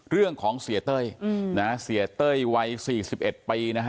เรื่องของเสียเต้ยเสียเต้ยไว้๔๑ปี